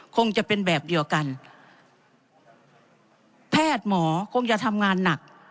คงจะเป็นแบบเดียวกันแพทย์หมอคงจะทำงานหนัก